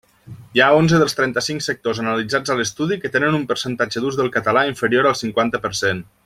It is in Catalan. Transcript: Hi ha onze dels trenta-cinc sectors analitzats a l'estudi que tenen un percentatge d'ús del català inferior al cinquanta per cent.